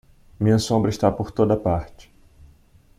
Minha sombra está por toda parte.